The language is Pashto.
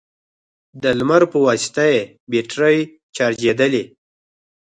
د لمر په واسطه يې بېټرۍ چارجېدلې،